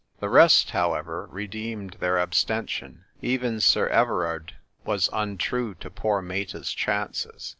The rest, however, redeemed their abstention. Even Sir Everard was untrue to poor Meta's chances.